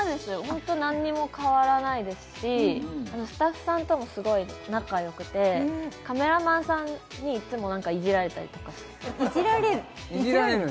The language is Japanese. ホント何にも変わらないですしスタッフさんともすごい仲良くてカメラマンさんにいっつも何かいじられたりとかしていじられる？